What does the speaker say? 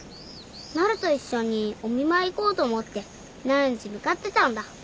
なると一緒にお見舞い行こうと思ってなるんち向かってたんだ。